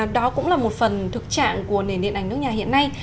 những bộ phim điện ảnh nước nhà hiện nay